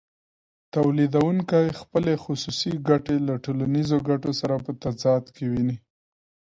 تولیدونکی خپلې خصوصي ګټې له ټولنیزو ګټو سره په تضاد کې ویني